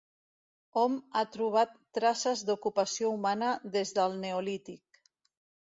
Hom a trobat traces d'ocupació humana des del neolític.